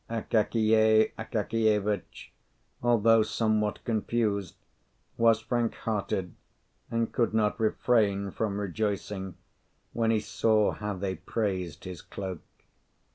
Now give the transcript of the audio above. Akakiy Akakievitch, although somewhat confused, was frank hearted, and could not refrain from rejoicing when he saw how they praised his cloak.